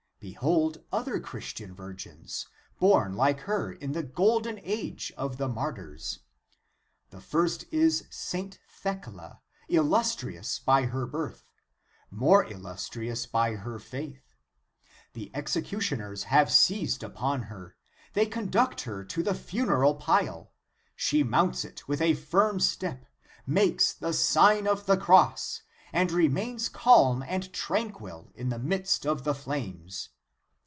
Behold other Christian virgins, born like her in the Golden Age of the martyrs. The first is St. Thecla, illustrious by her birth, more illustri ous by her faith. The executioners have seized upon her; they conduct her to the funeral pile ; she mounts it with a firm step, makes the Sign of the Cross, and remains calm and tranquil in the midst of the flames.